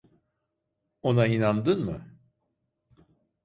Ona inandın mı?